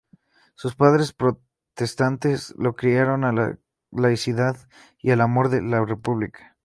Sus padres protestantes lo criaron en la laicidad y el amor a la República.